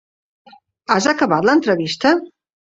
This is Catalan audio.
Has acabat l'entrevista?